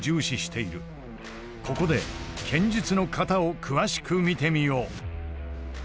ここで剣術の型を詳しく見てみよう。